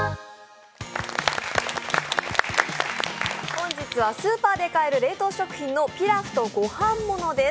本日はスーパーで買える冷凍食品のピラフと御飯ものです。